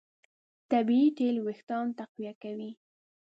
طبیعي تېل وېښتيان تقویه کوي.